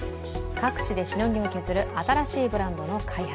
各地でしのぎを削る新しいブランドの開発。